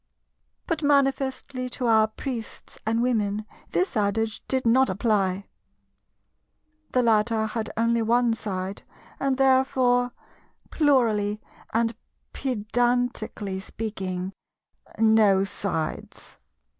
But manifestly to our Priests and Women this adage did not apply. The latter had only one side, and therefore—plurally and pedantically speaking—no sides.